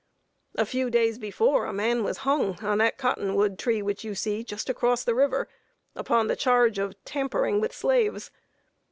A few days before, a man was hung on that cottonwood tree which you see just across the river, upon the charge of tampering with slaves.